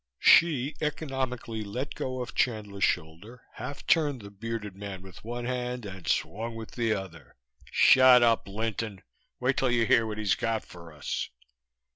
Hsi economically let go of Chandler's shoulder, half turned the bearded man with one hand and swung with the other. "Shut up, Linton. Wait till you hear what he's got for us."